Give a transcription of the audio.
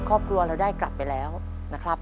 ครอบครัวเราได้กลับไปแล้วนะครับ